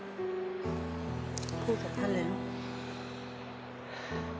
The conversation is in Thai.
พูดกับท่านเลยลูก